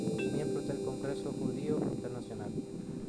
Miembro del Congreso Judío Internacional.